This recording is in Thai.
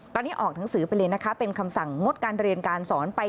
ตอนนี้ออกหนังสือไปเลยนะคะเป็นคำสั่งงดการเรียนการสอนไป